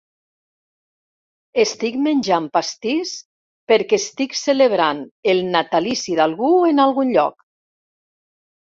Estic menjant pastís perquè estic celebrant el natalici d'algú en algun lloc.